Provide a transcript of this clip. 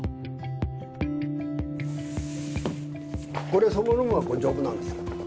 これそのものが丈夫なんですよ。